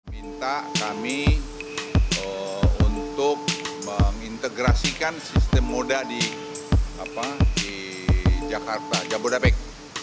minta kami untuk mengintegrasikan sistem moda di jakarta jabodebek